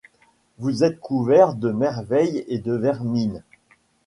Vous êtes couverts de merveilles et de vermines.